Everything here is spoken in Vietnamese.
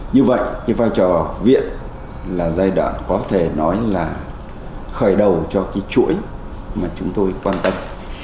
như vậy cái vai trò viện là giai đoạn có thể nói là khởi đầu cho cái chuỗi mà chúng tôi quan tâm